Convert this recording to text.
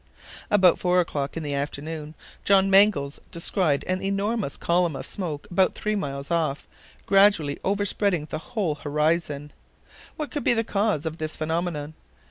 About four o'clock in the afternoon, John Mangles descried an enormous column of smoke about three miles off, gradually overspreading the whole horizon. What could be the cause of this phenomenon?